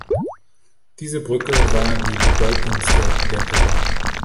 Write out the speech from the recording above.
Diese Brücke war die bedeutendste der Gruppe.